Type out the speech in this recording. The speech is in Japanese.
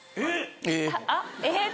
えっ⁉